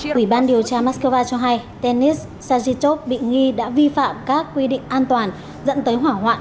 quỹ ban điều tra moscow cho hay tennis sajitov bị nghi đã vi phạm các quy định an toàn dẫn tới hỏa hoạn